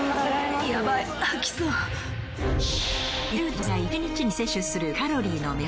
２０代女性が一日に摂取するカロリーの目安